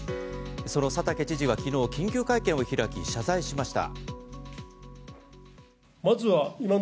その佐竹知事は昨日緊急会見を開き、謝罪しました。